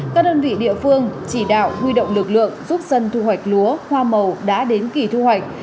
các đơn vị địa phương chỉ đạo huy động lực lượng giúp dân thu hoạch lúa hoa màu đã đến kỳ thu hoạch